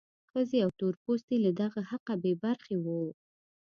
ښځې او تور پوستي له دغه حقه بې برخې وو.